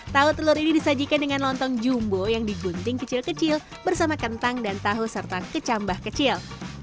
tahu telur ini disajikan dengan lontong jumbo yang digunting kecil kecil bersama kentang dan tahu serta kecambah kecil